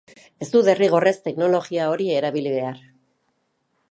Ez du derrigorrez teknologia hori erabili behar.